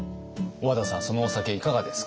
小和田さんそのお酒いかがですか？